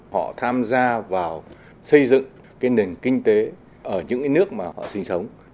họ tham gia vào xây dựng cái nền kinh tế ở những cái nước mà họ sinh sống